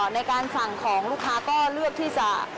ในการสั่งของลูกค้าก็เลือกที่จะ